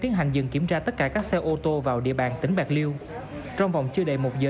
tiến hành dừng kiểm tra tất cả các xe ô tô vào địa bàn tỉnh bạc liêu trong vòng chưa đầy một giờ